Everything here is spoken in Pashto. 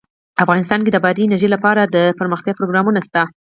افغانستان کې د بادي انرژي لپاره دپرمختیا پروګرامونه شته.